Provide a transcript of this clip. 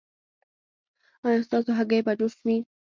ایا ستاسو هګۍ به جوش وي؟